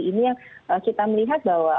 ini yang kita melihat bahwa